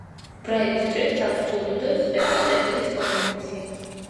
ბრაილის შრიფტს საფუძვლად უდევს ექვსი წერტილის კომბინაცია.